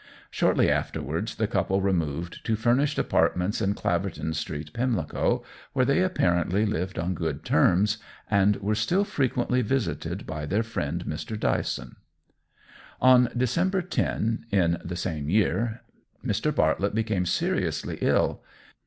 Shortly afterwards the couple removed to furnished apartments in Claverton Street, Pimlico, where they apparently lived on good terms, and were still frequently visited by their friend Mr. Dyson. On December 10, in the same year, Mr. Bartlett became seriously ill.